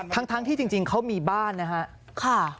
ทั้งที่จริงเขามีบ้านนะครับ